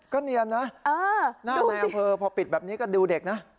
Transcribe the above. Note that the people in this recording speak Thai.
ก็เนียนนะหน้าในอำเภอพอปิดแบบนี้ก็ดูเด็กนะ